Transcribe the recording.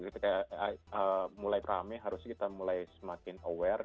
ketika mulai rame harus kita mulai semakin aware